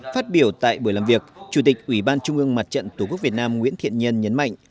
phát biểu tại buổi làm việc chủ tịch ủy ban trung ương mặt trận tổ quốc việt nam nguyễn thiện nhân nhấn mạnh